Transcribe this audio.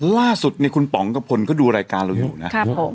ล่าสุดเนี่ยคุณป๋องกระพลก็ดูรายการเราอยู่นะครับผม